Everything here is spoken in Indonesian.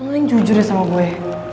paling jujur ya sama gue